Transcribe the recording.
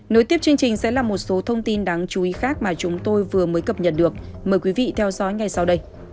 nối tiếp chương trình sẽ là một số thông tin đáng chú ý khác mà chúng tôi vừa mới cập nhật được mời quý vị theo dõi ngay sau đây